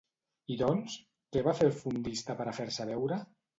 I doncs, què va fer el fondista per a fer-se veure?